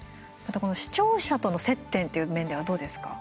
視聴者との接点という面ではどうですか？